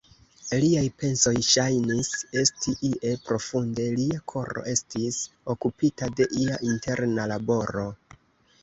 Liaj pensoj ŝajnis esti ie profunde, lia koro estis okupita de ia interna laboro.